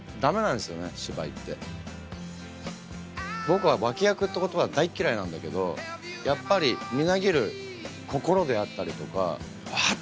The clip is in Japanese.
僕は「脇役」って言葉が大嫌いなんだけどやっぱりみなぎる心であったりとかわっ！